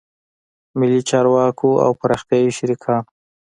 ملي چارواکو او پراختیایي شریکانو